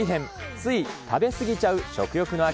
つい食べ過ぎちゃう食欲の秋。